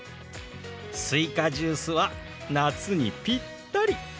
すいかジュースは夏にぴったり！